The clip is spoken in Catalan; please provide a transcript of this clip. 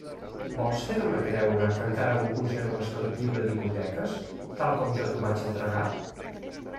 Vols fer-me creure que encara ho conserves tot lliure d'hipoteques, tal com jo t'ho vaig entregar?